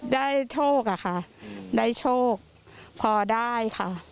โชคอะค่ะได้โชคพอได้ค่ะ